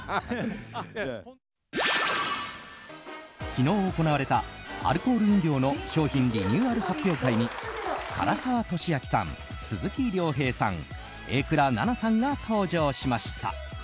昨日行われたアルコール飲料の商品リニューアル発表会に唐沢寿明さん、鈴木亮平さん榮倉奈々さんが登場しました。